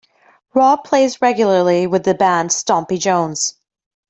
Rob plays regularly with the band Stompy Jones.